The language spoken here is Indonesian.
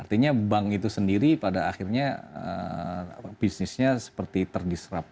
artinya bank itu sendiri pada akhirnya bisnisnya seperti terdisrup